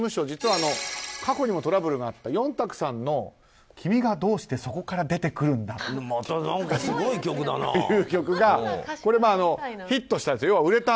実は過去にもトラブルがあってヨンタクさんの「君がどうしてそこから出てくるんだ」という曲がヒットしたんです。